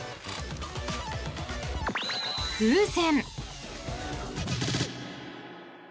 風船。